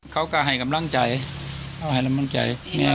เขาก็ให้กำลังใจเขาให้กำลังใจ